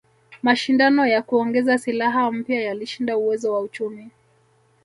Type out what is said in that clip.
Mashindano ya kuongeza silaha mpya yalishinda uwezo wa uchumi